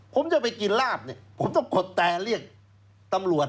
ผมจะไปกินราบผมต้องกดแตรเรียกตำรวจ